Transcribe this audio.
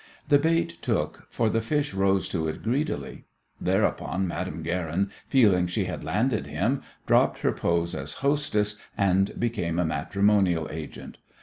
The bait took, for the fish rose to it greedily. Thereupon Madame Guerin, feeling she had "landed" him, dropped her pose as hostess and became a matrimonial agent.